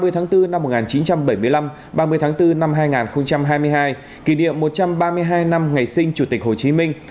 ba mươi tháng bốn năm một nghìn chín trăm bảy mươi năm ba mươi tháng bốn năm hai nghìn hai mươi hai kỷ niệm một trăm ba mươi hai năm ngày sinh chủ tịch hồ chí minh